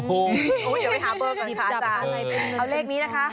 โอ้โหเดี๋ยวไปหาเบอร์ก่อนค่ะอาจารย์